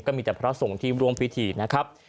มีแต่พระสงฆ์ที่ร่วมพิธีนะครับ